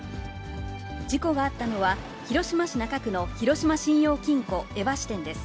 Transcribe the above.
事故があったのは、広島市中区の広島信用金庫江波支店です。